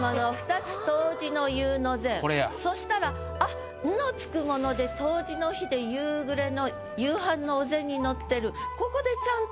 そしたらあっ「ん」のつくもので冬至の日で夕暮れの夕飯のお膳にのってる。